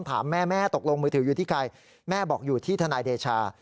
ถามแม่แม่ตกลงมือถืออยู่ที่ใครแม่บอกอยู่ที่ทนายเดชา